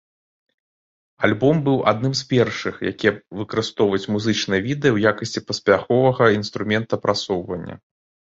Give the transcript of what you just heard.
Альбом быў адным з першых, якія выкарыстоўваюць музычныя відэа ў якасці паспяховага інструмента прасоўвання.